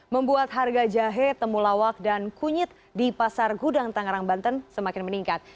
membuat harga jahe temulawak dan kunyit di pasar gudang tangerang banten semakin meningkat